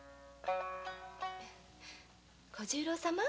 小十郎様。